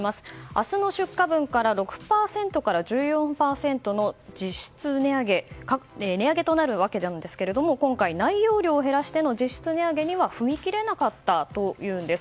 明日の出荷分から６％から１４％の実質値上げになるわけですが今回、内容量を減らしての実質値上げには踏み切れなかったというんです。